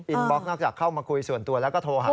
บล็อกนอกจากเข้ามาคุยส่วนตัวแล้วก็โทรหา